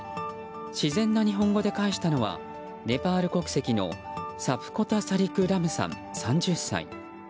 自然な日本語で返したのはネパール国籍のサプコタ・サリク・ラムさん３０歳。